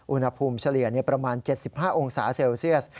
อุณหภูมิเฉลี่ยประมาณ๗๕องศาเซลเซียส